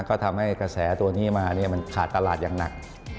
ก็ทำให้กระแสตัวนี้มามันขาดตลาดอย่างหนัก